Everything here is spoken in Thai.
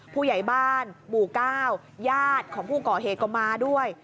ผู้ใหญ่บ้านหมู่๙ญาติของผู้ก่อเหตุก็มาด้วย